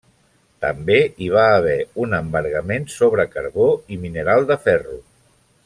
També hi va haver un embargament sobre carbó i mineral de ferro.